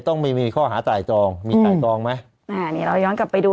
ต้องไม่มีข้อหาไต่ตรองมีไต่ตองไหมอ่านี่เราย้อนกลับไปดู